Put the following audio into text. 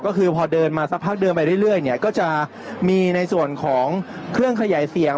ก็คือพอเดินมาสักพักเดินไปเรื่อยเนี่ยก็จะมีในส่วนของเครื่องขยายเสียง